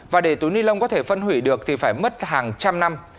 và để túi ni lông có thể phân hủy được thì phải mất hàng trăm năm